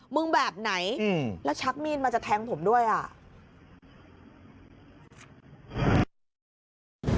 มึงแบบไหนอืมแล้วชักมีดมาจะแทงผมด้วยอ่ะ